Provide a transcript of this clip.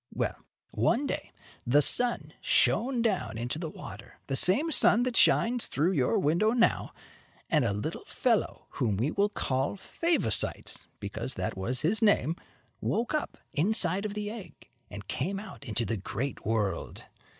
Well, one day, the sun shone down into the water the same sun that shines through your window now and a little fellow whom we will call Favosites, because that was his name, woke up inside of the egg and came out into the great world.